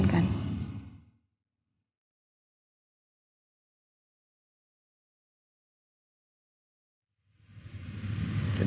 jadi kamu ngajak saya kesini